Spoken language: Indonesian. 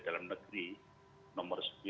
dalam negeri nomor sembilan